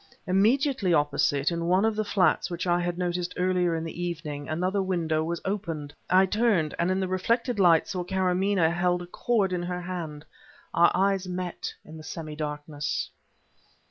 Immediately opposite, in one of the flats which I had noticed earlier in the evening, another window was opened. I turned, and in the reflected light saw that Karamaneh held a cord in her hand. Our eyes met in the semi darkness.